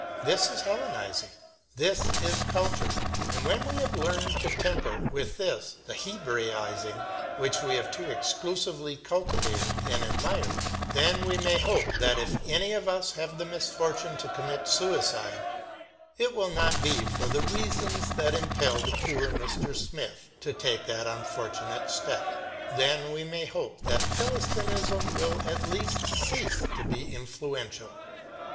This is Hellenising, this is culture, and when we have learned to temper with this the Hebraising which we have too exclusively cultivated and admired, then we may hope that if any of us have the misfortune to commit suicide it will not be for the reasons that impelled poor Mr. Smith to take that unfortunate step, then we may hope that Philistinism will at least cease to be influential.